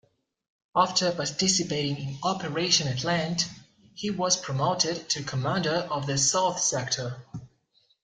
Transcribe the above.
After participating in Operation Atlante, he was promoted to Commander of the South Sector.